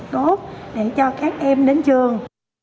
tốt để cho các em đến trường